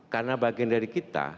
saya ingin mengucapkan